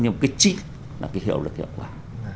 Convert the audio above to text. nhưng cái trị là cái hiệu lực hiệu quả